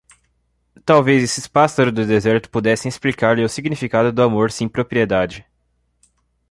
Talvez esses pássaros do deserto pudessem explicar-lhe o significado do amor sem propriedade.